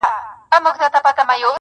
څه انګور او څه شراب څه میکدې سه,